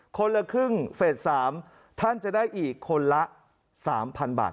คนละครึ่งเฟส๓ท่านจะได้อีกคนละ๓๐๐๐บาท